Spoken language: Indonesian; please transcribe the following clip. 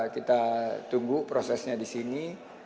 kita tunggu prosesnya di sini